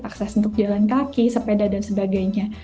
akses untuk jalan kaki sepeda dan sebagainya